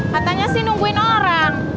katanya sih nungguin orang